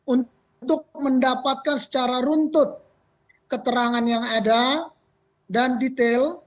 untuk mendapatkan secara runtut keterangan yang ada dan detail